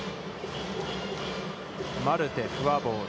マルテ、フォアボール。